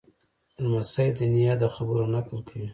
لمسی د نیا د خبرو نقل کوي.